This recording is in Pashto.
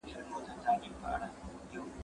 زه کالي وچولي دي!!